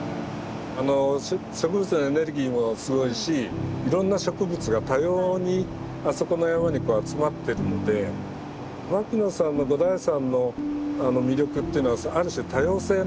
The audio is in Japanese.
植物のエネルギーもすごいしいろんな植物が多様にあそこの山に集まってるので牧野さんの五台山の魅力っていうのはある種多様性なんですね。